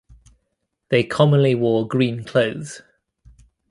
They commonly wore green clothes.